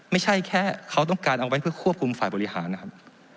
ไม่ใช่แค่เขาต้องการเอาไว้เพื่อควบคุมฝ่ายบริหารนะครับ